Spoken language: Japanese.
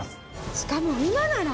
しかも今なら！